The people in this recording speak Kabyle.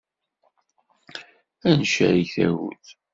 Ad ncerreg tagut.